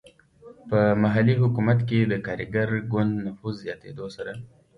په محلي حکومت کې د کارګر ګوند نفوذ زیاتېدو سره.